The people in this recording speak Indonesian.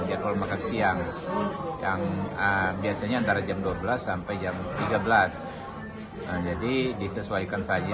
jadwal makan siang yang biasanya antara jam dua belas sampai jam tiga belas jadi disesuaikan saja